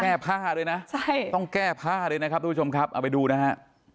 แก้ผ้าด้วยนะใช่ต้องแก้ผ้าด้วยนะครับทุกผู้ชมครับเอาไปดูนะฮะ